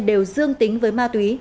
đều dương tính với ma túy